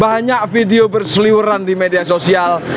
banyak video berseliuran di media sosial